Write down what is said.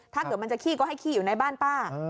ถ้าเกิดมันจะขี้ก็ให้ขี้อยู่ในบ้านป้า